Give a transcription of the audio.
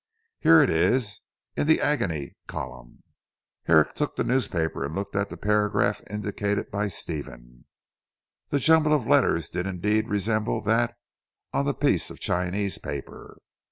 Here it is, in the Agony Column." Herrick took the newspaper, and looked at the paragraph indicated by Stephen. The jumble of letters did indeed resemble that on the piece of Chinese paper.